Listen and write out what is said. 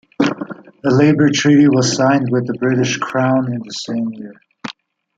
A labour treaty was signed with the British Crown in the same year.